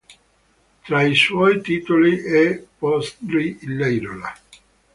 Tra i suoi titoli, "E' post dri l'irola".